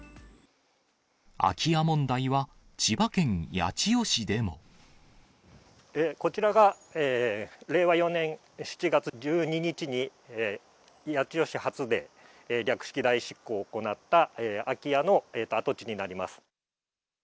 空き家問題は、こちらが、令和４年７月１２日に、八千代市初で、略式代執行を行った空き家の跡地になります。